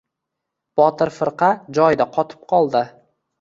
Botir firqa joyida qotib qoldi.